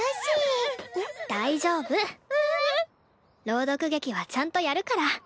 朗読劇はちゃんとやるから。